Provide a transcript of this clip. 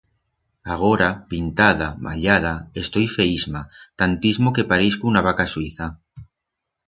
Agora, pintada, mallada, estoi feísma, tantismo que parixco una vaca suiza.